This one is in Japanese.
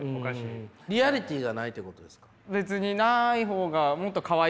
リアリティーがないってことですか？